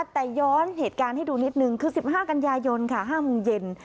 แต่ย้อนเหตุการณ์ให้ดูนิดนึงคือ๑๕กันยายนค่ะ๕โมงเย็น